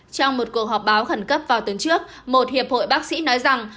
trong một cuộc họp báo khẩn cấp vào tuần trước một hiệp hội bác sĩ nói rằng